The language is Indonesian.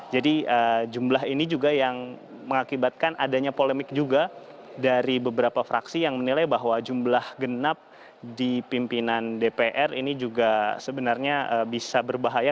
jadi jumlah ini juga yang mengakibatkan adanya polemik juga dari beberapa fraksi yang menilai bahwa jumlah genap di pimpinan dpr ini juga sebenarnya bisa berbahaya